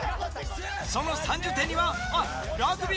その３０点にはあっラグビーが入っている。